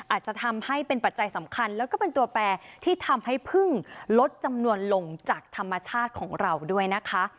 อาจจะทำให้เป็นปัจจัยสำคัญแล้วก็เป็นตัวแปรที่ทำให้พึ่งลดจำนวนลงจากธรรมชาติของเราด้วยนะคะ